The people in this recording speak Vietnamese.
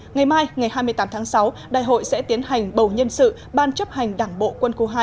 ngày mai ngày hai mươi tám tháng sáu đại hội sẽ tiến hành bầu nhân sự ban chấp hành đảng bộ quân khu hai